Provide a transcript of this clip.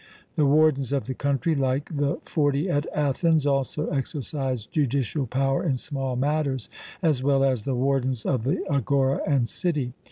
The wardens of the country, like the Forty at Athens, also exercised judicial power in small matters, as well as the wardens of the agora and city.